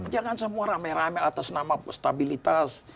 jangan semua rame rame atas nama stabilitas